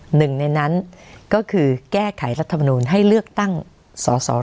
หนึ่งในนั้นก็คือแก้ไขรัฐมนูลให้เลือกตั้งสอสอ